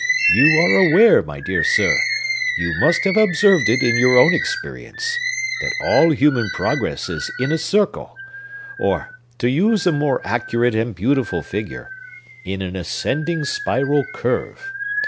You are aware, my dear sir,—you must have observed it in your own experience,—that all human progress is in a circle; or, to use a more accurate and beautiful figure, in an ascending spiral curve.